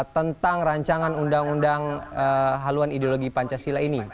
tentang rancangan undang undang haluan ideologi pancasila ini